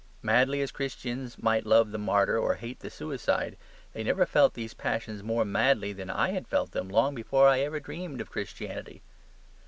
Madly as Christians might love the martyr or hate the suicide, they never felt these passions more madly than I had felt them long before I dreamed of Christianity.